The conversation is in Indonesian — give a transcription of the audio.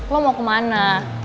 lo mau kemana